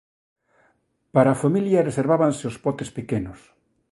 Para a familia reservábanse os potes pequenos.